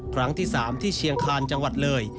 ครั้งที่๓ที่เชียงคาญจังหวัดเลย